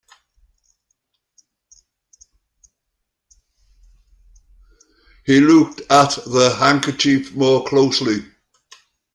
He looked at the handkerchief more closely